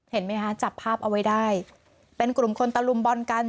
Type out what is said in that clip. เห็นไหมคะจับภาพเอาไว้ได้เป็นกลุ่มคนตะลุมบอลกัน